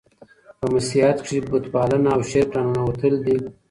په مسیحیت کښي بت پالنه او شرک راننوتل دي.